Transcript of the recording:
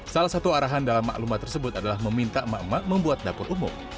salah satu arahan dalam maklumat tersebut adalah meminta emak emak membuat dapur umum